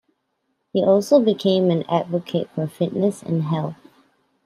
He also became an advocate for fitness and health.